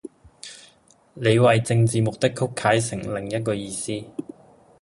你為政治目的曲解成另一個意思